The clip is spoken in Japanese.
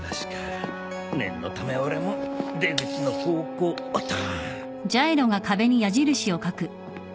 念のため俺も出口の方向をと。